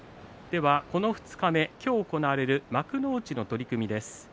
では、この二日目今日行われる幕内の取組です。